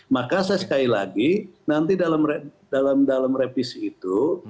maka saya sekali lagi nanti dalam revisi itu